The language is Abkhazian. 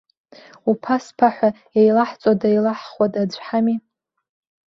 Уԥа, сԥа ҳәа, еилаҳҵода-еилаҳхуада, аӡә ҳами!